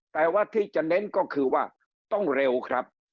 แต่ว่าที่จะเน้นก็คือว่าต้องเร็วครับ